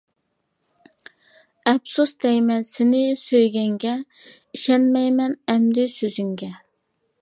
ئەپسۇس دەيمەن سېنى سۆيگەنگە، ئىشەنمەيمەن ئەمدى سۆزۈڭگە.